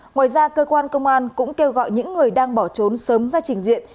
ngoài ra cơ quan công an cũng kêu gọi những người đang bỏ trốn sớm ra trình diện